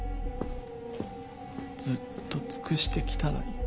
ずっと尽くしてきたのに。